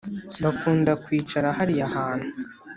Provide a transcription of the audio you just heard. bakunda kwicara hariya hantu